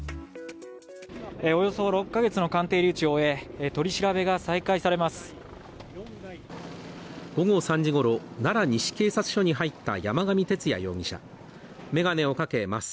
およそ６か月の鑑定留置を終え、取り調べが再開されます。